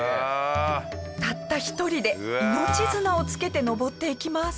たった一人で命綱をつけて登っていきます。